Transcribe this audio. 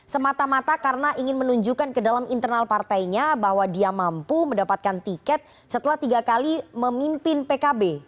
semata mata karena ingin menunjukkan ke dalam internal partainya bahwa dia mampu mendapatkan tiket setelah tiga kali memimpin pkb